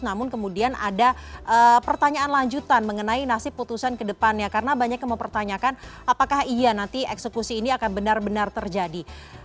namun kemudian ada pertanyaan lanjutan mengenai nasib putusan kedepannya karena banyak yang mempertanyakan apakah iya nanti eksekusi ini akan benar benar terjadi